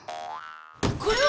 これは！